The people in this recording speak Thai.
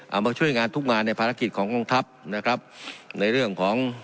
มาช่วยงานทุกงานในภารกิจของกองทัพนะครับในเรื่องของ